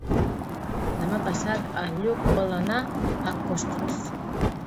Demà passat en Lluc vol anar a Costitx.